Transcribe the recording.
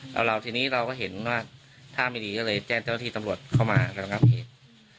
แล้วเราทีนี้เราก็เห็นว่าท่าไม่ดีก็เลยแจ้งเจ้าที่ตำรวจเข้ามาระงับเหตุ